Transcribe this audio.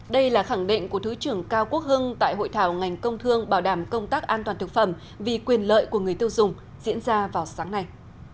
đây là khẳng định của thứ trưởng cao quốc hưng tại hội thảo ngành công thương bảo đảm công tác an toàn thực phẩm vì quyền lợi của người tiêu dùng diễn ra vào sáng nay